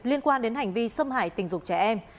liên quan đến hành vi xâm hại tình dục trẻ em